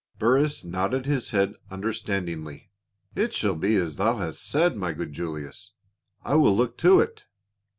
Burrus nodded his head understandingly. " It shall be as thou hast said, my good Julius. I will look to it."